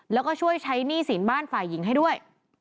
แล้วก็ช่วยใช้หนี้สินบ้านฝ่ายหญิงให้ด้วย